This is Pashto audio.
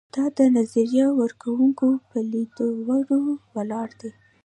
دا د نظریه ورکوونکو پر لیدلورو ولاړ دی.